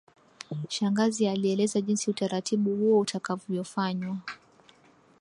Shangazi alieleza jinsi utaratibu huo utakavyofanywa